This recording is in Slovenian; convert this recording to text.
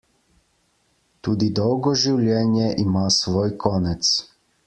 Tudi dolgo življenje ima svoj konec.